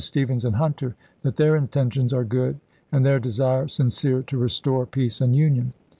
Stephens and Hunter, that their intentions are good and their desire sincere to restore peace and union.